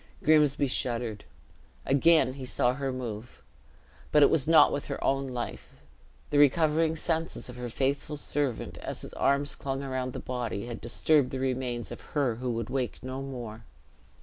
Grimsby shuddered. Again he saw her move; but it was not with her own life; the recovering senses of her faithful servant, as his arms clung around the body, had disturbed the remains of her who would wake no more.